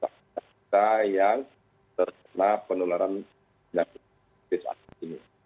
kita yang terkena penularan hepatitis akut ini